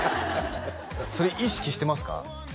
それ意識してますか？